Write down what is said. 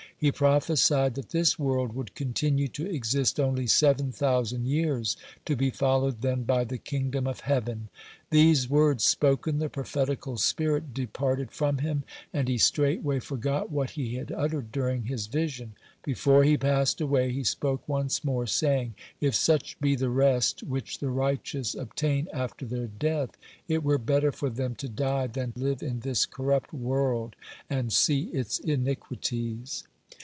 He prophesied that this world would continue to exist only seven thousand years, to be followed then by the Kingdom of Heaven. These words spoken, the prophetical spirit departed from him, and he straightway forgot what he had uttered during his vision. Before he passed away, he spoke once more, saying: "If such be the rest which the righteous obtain after their death, it were better for them to die than live in this corrupt world and see its iniquities."